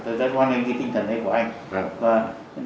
tôi rất quan hệ với tinh thần đấy của anh